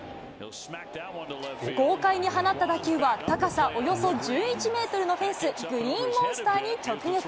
豪快に放った打球は高さおよそ１１メートルのフェンス、グリーンモンスターに直撃。